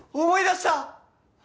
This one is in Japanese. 思い出した！